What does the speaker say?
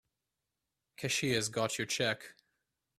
Cashier's got your check.